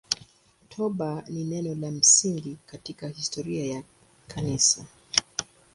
Toba ni neno la msingi katika historia ya Kanisa.